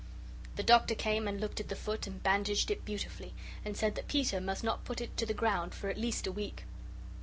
The Doctor came and looked at the foot and bandaged it beautifully, and said that Peter must not put it to the ground for at least a week.